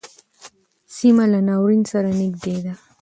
سیمه له ناورین سره نږدې ده.